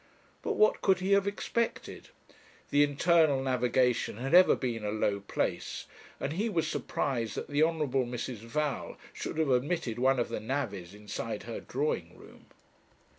But what could he have expected? The Internal Navigation had ever been a low place, and he was surprised that the Hon. Mrs. Val should have admitted one of the navvies inside her drawing room.